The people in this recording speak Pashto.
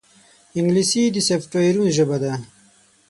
انګلیسي د سافټویرونو ژبه ده